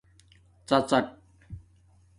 ڎڎاٹ